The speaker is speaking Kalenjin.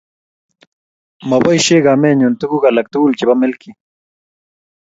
Moboisie kamenyu tuguk alak tugul chebo milky